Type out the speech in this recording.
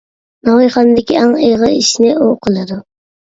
ناۋايخانىدىكى ئەڭ ئېغىر ئىشنى ئۇ قىلىدۇ.